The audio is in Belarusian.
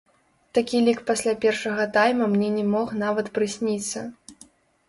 Такі лік пасля першага тайма мне не мог нават прысніцца.